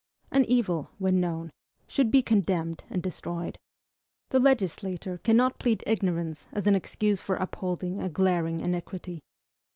An evil, when known, should be condemned and destroyed. The legislator cannot plead ignorance as an excuse for upholding a glaring iniquity.